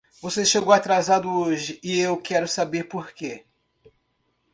Você chegou atrasado hoje e eu quero saber por quê.